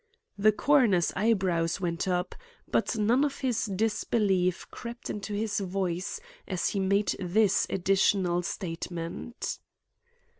The coroner's eyebrows went up, but none of his disbelief crept into his voice as he made this additional statement.